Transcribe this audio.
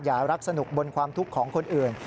รักสนุกบนความทุกข์ของคนอื่น